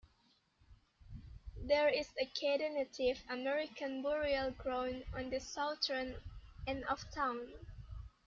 There is a Caddo Native American burial ground on the southern end of town.